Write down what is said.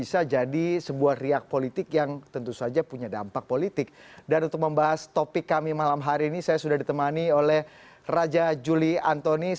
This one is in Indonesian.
saya manggilnya bro tony aja sesuai kebiasaan